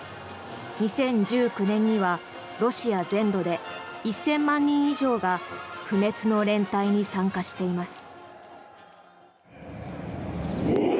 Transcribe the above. ２０１９年にはロシア全土で１０００万人以上が不滅の連隊に参加しています。